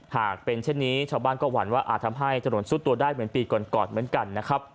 หากเป็นเช่นนี้ชาวบ้านก็หวั่นว่าอาจทำให้ถนนซุดตัวได้เหมือนปีก่อนก่อนเหมือนกันนะครับ